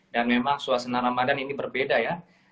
dan memang suasana ramadhan ini berbeda ya